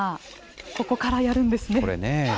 ここからやるんですね。